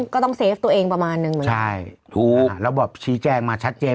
ก็ต้องเซฟตัวเองประมาณนึงใช่ถูกอ่าแล้วบอกชี้แจงมาชัดเจน